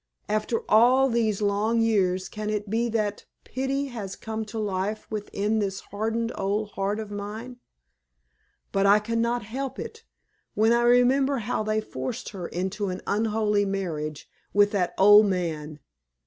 After all these long years, can it be that pity has come to life within this hardened old heart of mine? But I can not help it, when I remember how they forced her into an unholy marriage with that old man.